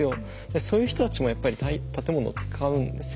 そういう人たちもやっぱり建物を使うんですよ。